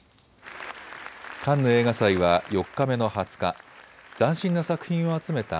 カンヌ映画祭は４日目の２０日、斬新な作品を集めた